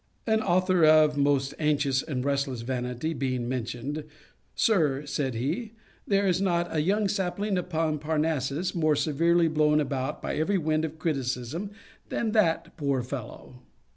An authour of most anxious and restless vanity being mentioned, 'Sir, (said he,) there is not a young sapling upon Parnassus more severely blown about by every wind of criticism than that poor fellow.'